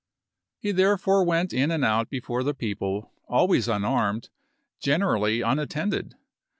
He therefore went in and out before the people, always unarmed, generally unattended.